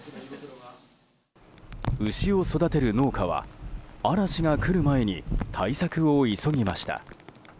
牛を育てる農家は嵐が来る前に対策を急ぎました。